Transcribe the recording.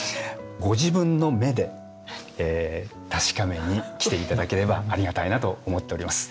ご自分の目で確かめに来て頂ければありがたいなと思っております。